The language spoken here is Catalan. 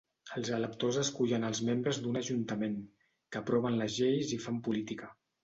Els electors escullen els membres d'un ajuntament, que aproven les lleis i fan política.